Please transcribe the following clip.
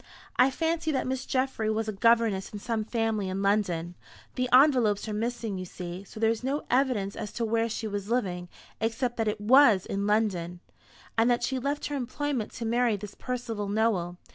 I fancy that Miss Geoffry was a governess in some family in London the envelopes are missing, you see, so there is no evidence as to where she was living, except that it was in London and that she left her employment to marry this Percival Nowell.